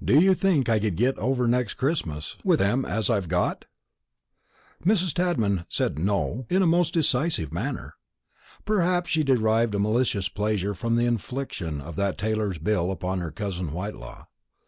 Do you think I could get over next Christmas with them as I've got?" Mrs. Tadman said "No" in a most decisive manner. Perhaps she derived a malicious pleasure from the infliction of that tailor's bill upon her cousin Whitelaw.